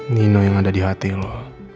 nino yang ada di hati lo